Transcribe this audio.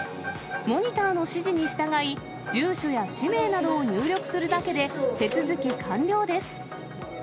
モニターの指示に従い、住所や氏名などを入力するだけで手続き完了です。